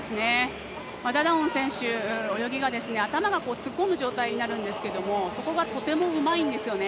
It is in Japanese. ダダオン選手泳ぎが、頭が突っ込む状態になるんですけどそこがとてもうまいんですよね。